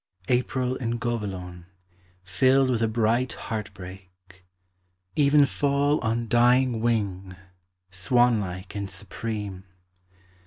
April in Govilon, Filled with a bright heart break; Evenfall on dying wing, Swanlike and supreme!